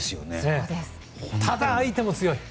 ただ、相手も強い。